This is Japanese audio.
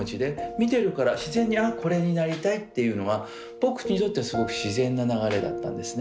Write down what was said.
見てるから自然に「あっこれになりたい」っていうのは僕にとってはすごく自然な流れだったんですね。